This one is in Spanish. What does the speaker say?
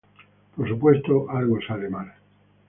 Por supuesto, algo sale mal.